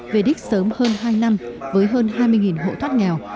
về đích sớm hơn hai năm với hơn hai mươi hộ thoát nghèo